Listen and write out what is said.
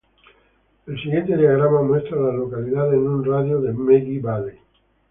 El siguiente diagrama muestra a las localidades en un radio de de Maggie Valley.